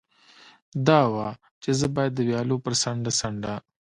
دا وه، چې زه باید د ویالو پر څنډه څنډه.